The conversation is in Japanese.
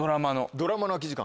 ドラマの空き時間。